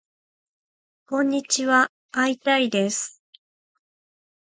こんにちはーー会いたいです